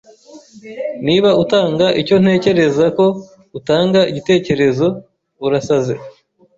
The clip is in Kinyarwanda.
Niba utanga icyo ntekereza ko utanga igitekerezo, urasaze.